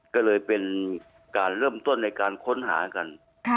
ก็เลยเป็นการเริ่มต้นในการค้นหากัน